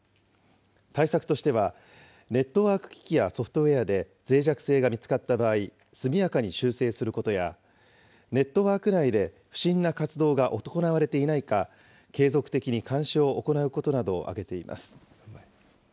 対策としては、ネットワーク機器やソフトウエアでぜい弱性が見つかった場合、速やかに修正することや、ネットワーク内で不審な活動が行われていないか、継続的に監視を行うことなどを挙げています。